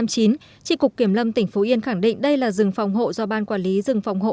tri cục kiểm lâm tỉnh phú yên khẳng định đây là rừng phòng hộ do ban quản lý rừng phòng hộ